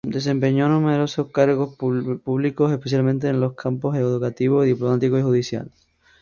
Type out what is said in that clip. Desempeñó numerosos cargos públicos, especialmente en los campos educativo, diplomático y judicial.